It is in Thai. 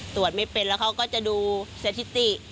ตรวจไม่เป็นแล้วเขาก็จะดูสถิติ